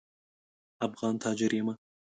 افغان تاجر یم.